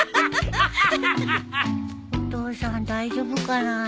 お父さん大丈夫かな？